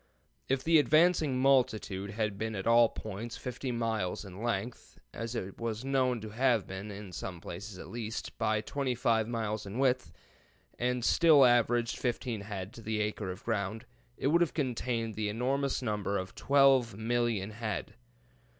] If the advancing multitude had been at all points 50 miles in length (as it was known to have been in some places at least) by 25 miles in width, and still averaged fifteen head to the acre of ground, it would have contained the enormous number of 12,000,000 head.